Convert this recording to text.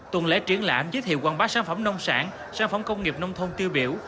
tuần lễ triển lãm giới thiệu quảng bá sản phẩm nông sản sản phẩm công nghiệp nông thôn tiêu biểu